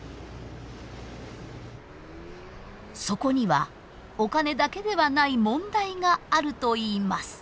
そこにはお金だけではない問題があるといいます。